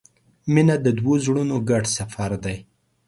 • مینه د دوو زړونو ګډ سفر دی.